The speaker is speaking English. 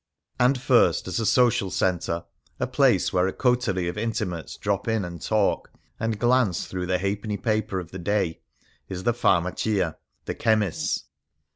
And first, as a social centre, a place where a coterie of intimates drop in and talk, and glance through the l^alfpenny paper of the day, is the farmacia, the chemist's.